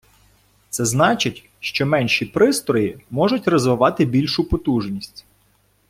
Це значить, що менші пристрої зможуть розвивати більшу потужність.